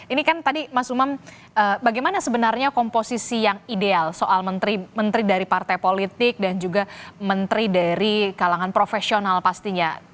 ini kan tadi mas umam bagaimana sebenarnya komposisi yang ideal soal menteri dari partai politik dan juga menteri dari kalangan profesional pastinya